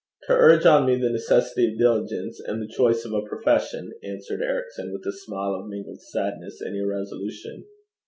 'To urge on me the necessity of diligence, and the choice of a profession,' answered Ericson, with a smile of mingled sadness and irresolution.